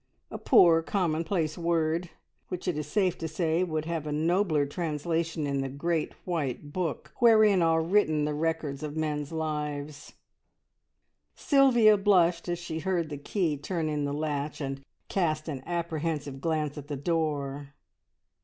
A poor, commonplace word, which it is safe to say would have a nobler translation in the Great White Book, wherein are written the records of men's lives! Sylvia blushed as she heard the key turn in the latch, and cast an apprehensive glance at the door.